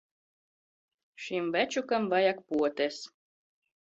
Šim večukam vajag potes.